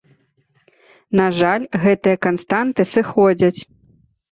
На жаль, гэтыя канстанты сыходзяць.